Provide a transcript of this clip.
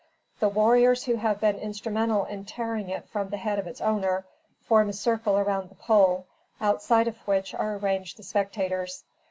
The warriors who have been instrumental in tearing it from the head of its owner, form a circle around the pole, outside of which are arranged the spectators.